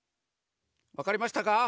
わかりましたか？